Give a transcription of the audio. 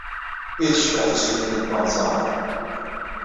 Ay tecbeḥ teslit-nni n wenẓar!